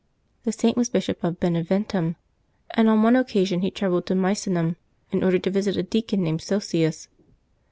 The Saint was Bishop of Beneventum, and on one occasion he travelled to Misenum in order to visit a deacon named Sosius.